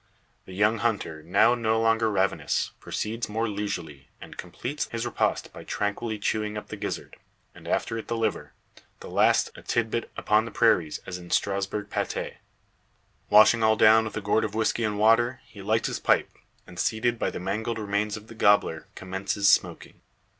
The young hunter, now no longer ravenous, proceeds more leisurely, and completes his repast by tranquilly chewing up the gizzard, and after it the liver the last a tit bit upon the prairies, as in a Strasburg pate. Washing all down with a gourd of whisky and water, he lights his pipe; and, seated by the mangled remains of the gobbler, commences smoking.